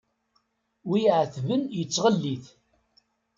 Wi iɛetben yettɣellit.